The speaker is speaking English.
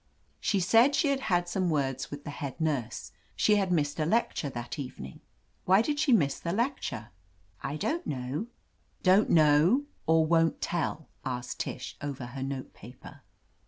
"She said she had had some words with the head nurse. She had missed a lecture that evening." "Why did she miss the lecture?" 153 r THE AMAZING ADVENTURES "I don't know." "Don't know or won't tell?" asked Tish, over her note paper.